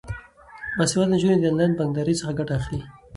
باسواده نجونې د انلاین بانکدارۍ څخه ګټه اخلي.